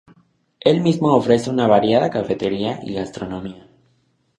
El mismo ofrece una variada cafetería y gastronomía.